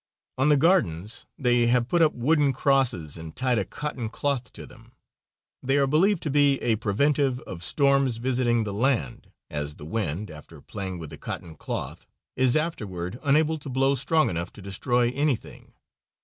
On the gardens they have put up wooden crosses and tied a cotton cloth to them; they are believed to be a preventive of storms visiting the land, as the wind, after playing with the cotton cloth, is afterward unable to blow strong enough to destroy anything.